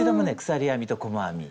鎖編みと細編み。